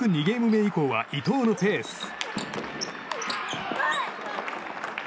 ２ゲーム目以降は伊藤のペース。